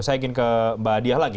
saya ingin ke mba adia lagi